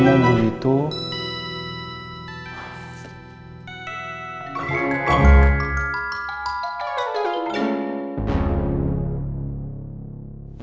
nanti aku panggil kamu